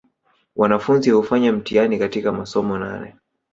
Wanafunzi hufanya mtihani katika masomo nane